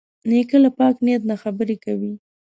نیکه له پاک نیت نه خبرې کوي.